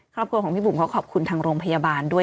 ครอบครัวของพี่บุ๋มเขาขอบคุณทางโรงพยาบาลด้วย